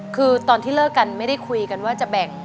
คือตอนที่เลิกกันไม่ได้คุยกันว่าจะแบ่ง